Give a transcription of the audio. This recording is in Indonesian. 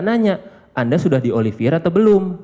nanya anda sudah di olivier atau belum